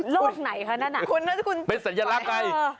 โลดไหนคะนั่นน่ะเป็นสัญลักษณ์ใกล้